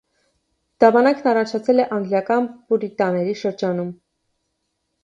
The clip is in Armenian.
Դավանանքն առաջացել է անգլիական պուրիտանների շրջանում։